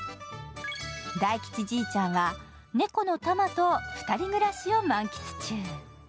大吉じいちゃんは猫のタマと２人暮らしを満喫中。